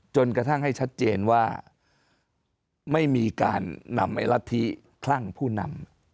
จนกระทั่งให้ชัดเจนว่าไม่มีการนำไอ้รัฐธิคลั่งผู้นำ